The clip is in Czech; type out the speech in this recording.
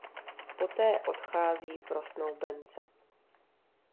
Poté odchází pro snoubence.